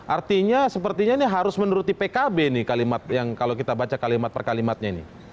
artinya sepertinya ini harus menuruti pkb nih kalimat yang kalau kita baca kalimat per kalimatnya ini